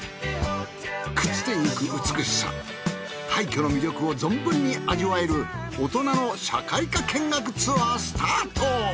朽ちてゆく美しさ廃墟の魅力を存分に味わえる大人の社会科見学ツアースタート。